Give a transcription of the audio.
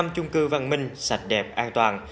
năm chung cư văn minh sạch đẹp an toàn